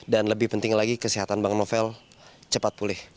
dan lebih penting lagi kesehatan bang novel cepat pulih